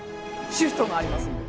シフトがありますので。